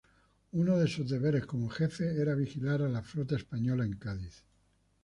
Uno de sus deberes como jefe era vigilar a la flota española en Cádiz.